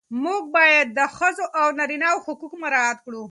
موږ باید د ښځو او نارینه وو حقوق مراعات کړو.